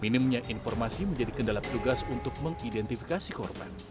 minimnya informasi menjadi kendala petugas untuk mengidentifikasi korban